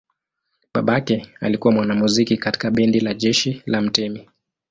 Babake alikuwa mwanamuziki katika bendi la jeshi la mtemi.